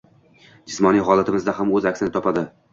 Jismoniy holatimizda ham o’z aksini topadi.